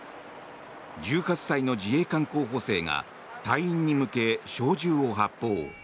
１８歳の自衛官候補生が隊員に向け小銃を発砲。